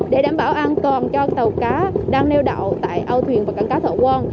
để đảm bảo an toàn cho tàu cá đang nêu đạo tại ao thuyền và cảng cá thợ quân